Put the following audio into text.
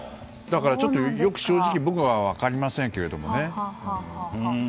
だから、ちょっと正直僕は分かりませんけれどね。